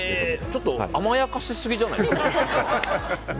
ちょっと甘やかしすぎじゃないですか。